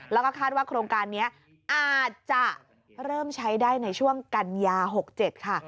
แล้วก็คาดว่าโครงการนี้อาจจะเริ่มใช้ได้ในช่วงกัญญา๖๗ค่ะ